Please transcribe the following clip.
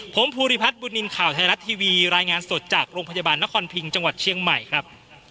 ผมภูริพัฒนบุญนินทร์ข่าวไทยรัฐทีวีรายงานสดจากโรงพยาบาลนครพิงจังหวัดเชียงใหม่ครับ